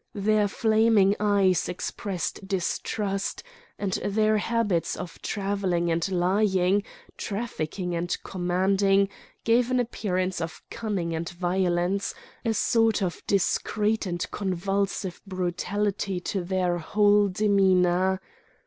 Their flaming eyes expressed distrust, and their habits of travelling and lying, trafficking and commanding, gave an appearance of cunning and violence, a sort of discreet and convulsive brutality to their whole demeanour.